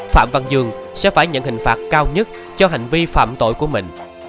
phạm văn dương sẽ phải nhận hình phạt cao nhất cho hành vi phạm tội của mình